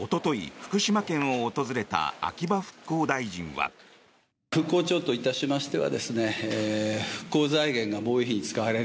福島県を訪れた秋葉復興大臣は。